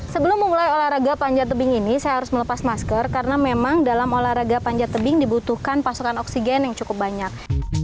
sebelum memulai olahraga panjat tebing ini saya harus melepas masker karena memang dalam olahraga panjat tebing dibutuhkan pasokan oksigen yang cukup banyak